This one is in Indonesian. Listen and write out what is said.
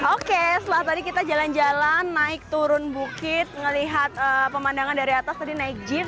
oke setelah tadi kita jalan jalan naik turun bukit melihat pemandangan dari atas tadi naik jeep